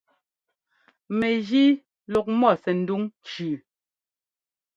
Mɛjíi lûu mɔ sɛndúŋ cʉ.